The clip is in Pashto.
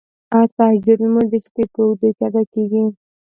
تهجد لمونځ د شپې په اوږدو کې ادا کیږی.